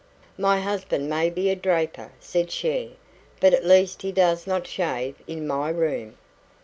"My husband may be a draper," said she, "but at least he does not shave in my room."